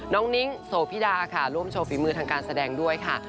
นิ้งโสพิดาค่ะร่วมโชว์ฝีมือทางการแสดงด้วยค่ะ